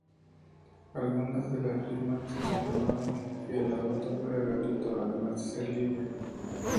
Algunas de las firmantes reclamaban que el aborto fuera gratuito además de ser libre.